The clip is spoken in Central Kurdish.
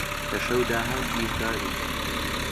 کە شەو داهات دیژبانی